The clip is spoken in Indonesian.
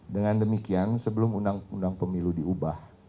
dengan demikian sebelum undang undang pemilu diubah